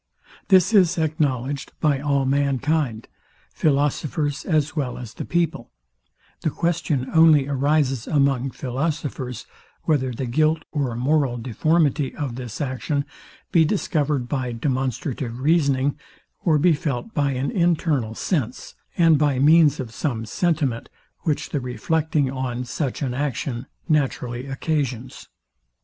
This is acknowledged by all mankind, philosophers as well as the people; the question only arises among philosophers, whether the guilt or moral deformity of this action be discovered by demonstrative reasoning, or be felt by an internal sense, and by means of some sentiment, which the reflecting on such an action naturally occasions.